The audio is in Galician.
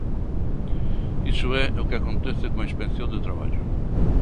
Iso é o que acontece coa Inspección de Traballo.